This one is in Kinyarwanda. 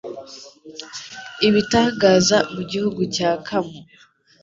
ibitangaza mu gihugu cya Kamu